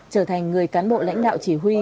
trở thành người cán bộ lãnh đạo chỉ huy